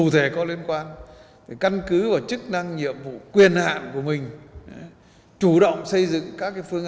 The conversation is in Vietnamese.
cụ thể có liên quan để căn cứ vào chức năng nhiệm vụ quyền hạn của mình chủ động xây dựng các phương